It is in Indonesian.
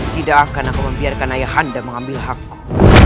tidak akan aku membiarkan ayah anda mengambil hakku